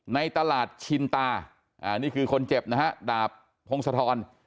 ในตลาดชินตานี่คือคนเจ็บนะฮะดาบพงศธร